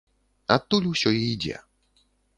Адтуль усё і ідзе.